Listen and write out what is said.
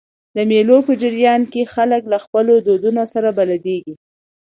د مېلو په جریان کښي خلک له خپلو دودونو سره بلديږي.